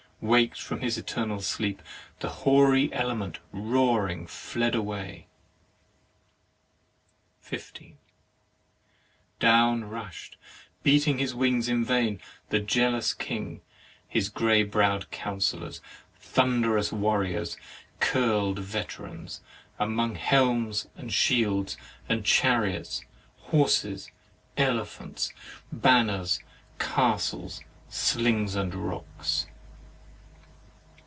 WakM from his eternal sleep, the hoary element roaring fled away. 44 HEAVEN AND HELL 15. Down rush'd, beating his wings in vain, the jealous king, his grey brow'd councillors, thunderous war riors, curl'd veterans, among helms and shields, and chariots, horses, ele phants, banners, castles, slings, and rocks.